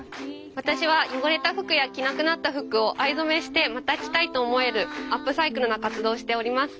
私は汚れた服や着なくなった服を藍染めしてまた着たいと思えるアップサイクルな活動をしております。